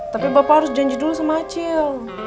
tapi bapak harus janji dulu sama acil